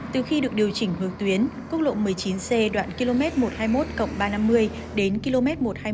từ khi được điều chỉnh hướng tuyến cốc lộ một mươi chín c đoạn km một trăm hai mươi một ba trăm năm mươi đến km một trăm hai mươi một chín trăm linh